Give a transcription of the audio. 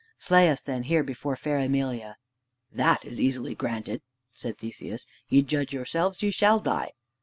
Slay us then, here before fair Emelia." "That is easily granted," said Theseus. "Ye judge yourselves. Ye shall die."